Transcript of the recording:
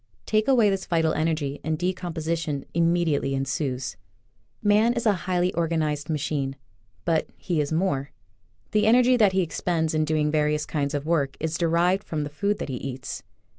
Take away this vital energy, and decomposition im mediately ensues, Man is a highly organized machine — but he is more. The energy that he expends in doing various kinds of work is derived from the food that he eats.